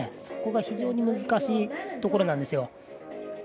そこが非常に難しいところなんですよ。